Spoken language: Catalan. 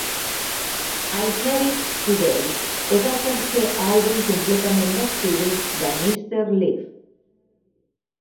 "I Heard It Today" és el tercer àlbum completament d'estudi de Mr. Lif.